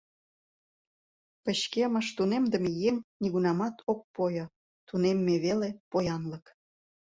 Пычкемыш, тунемдыме еҥ нигунамат ок пойо, тунемме веле — поянлык.